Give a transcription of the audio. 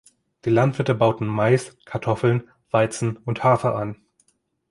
Die Landwirte bauten Mais, Kartoffeln, Weizen und Hafer an.